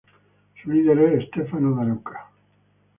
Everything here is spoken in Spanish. Su líder es Stefano De Luca.